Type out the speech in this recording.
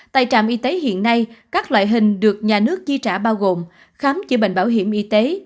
tại trạm y tế hiện nay các loại hình được nhà nước chi trả bao gồm khám chữa bệnh bảo hiểm y tế